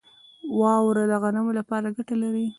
واوره د غنمو لپاره ګټه لري.